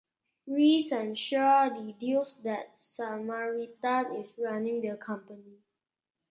Reese and Shaw deduce that Samaritan is running the company.